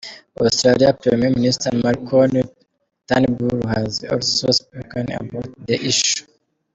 Australian Prime Minister Malcolm Turnbull has also spoken about the issue.